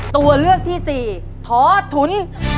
ตัวเลือกที่๔ท้อถุน